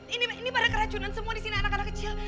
ini pada keracunan semua di sini anak anak kecil